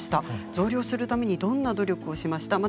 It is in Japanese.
増量するためにどんな努力をしましたか？